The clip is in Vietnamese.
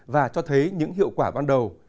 và cho thấy những hiệu quả ban đầu